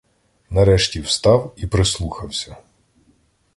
Нарешті встав і прислухався.